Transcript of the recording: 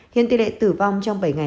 hiện tỷ lệ tử vong trong bảy ngày